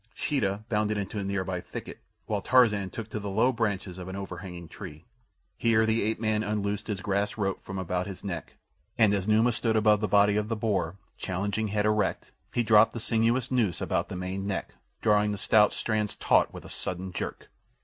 Sheeta bounded into a near by thicket, while Tarzan took to the low branches of an overhanging tree. Here the ape man unloosed his grass rope from about his neck, and as Numa stood above the body of the boar, challenging head erect, he dropped the sinuous noose about the maned neck, drawing the stout strands taut with a sudden jerk.